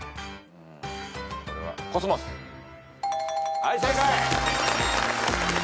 はい正解。